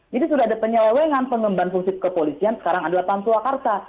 jadi sudah ada penyelewengan pengemban fungsi kepolisian sekarang adalah pam swakarsa